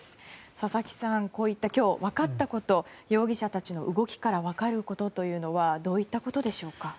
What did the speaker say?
佐々木さん、今日分かったこと容疑者たちの動きから分かることというのはどういったことでしょうか。